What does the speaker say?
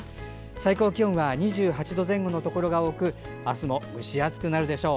最高気温は２９度前後のところが多く明日も蒸し暑くなるでしょう。